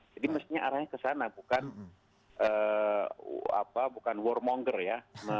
jadi mestinya arahnya ke sana bukan warmonger ya